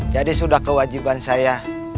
jadi sudah kewajiban saya